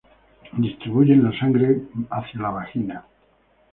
Distribuyen la sangre hacia la vagina.